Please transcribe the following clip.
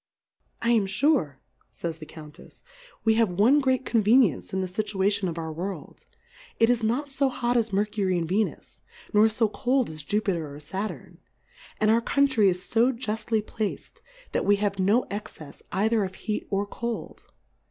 I am fure, fay s the Count efs^ we have one great Convenience in the Scituation. of our World ; it is not fo hot as Mer cury and Venns^ nor fo cold as Jupter or Saturn ; and our Country is fo juftly plac'd, that we have no Excefs either of Heat or Cold.